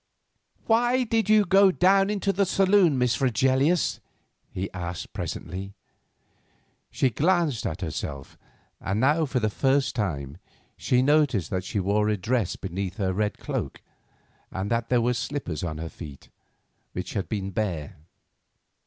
"Why did you go down into the saloon, Miss Fregelius?" he asked presently. She glanced at herself, and now, for the first time, he noticed that she wore a dress beneath her red cloak, and that there were slippers on her feet, which had been bare.